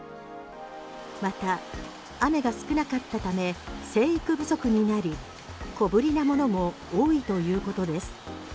また雨が少なかったため生育不足になり小ぶりなものも多いということです。